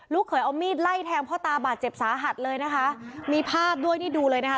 เคยเอามีดไล่แทงพ่อตาบาดเจ็บสาหัสเลยนะคะมีภาพด้วยนี่ดูเลยนะคะ